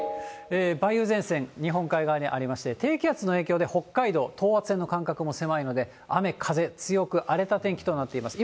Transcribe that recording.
梅雨前線、日本海側にありまして、低気圧の影響で北海道、等圧線の間隔も狭いので、雨風強く、荒れた天気となっています。